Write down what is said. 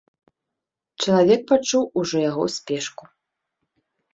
Чалавек пачуў ужо яго спешку.